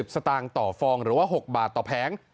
๒๐สตางค์ต่อฟองหรือ๖บาทต่อแพง